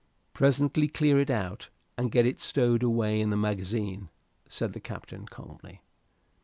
"Presently clear it out, and get it stowed away in the magazine," said the captain, calmly.